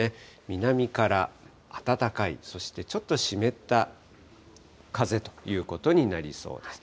南から暖かい、そしてちょっと湿った風ということになりそうです。